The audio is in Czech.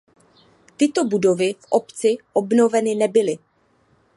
Tyto budovy v obci obnoveny nebyly.